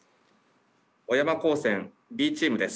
小山高専Ｂチームです。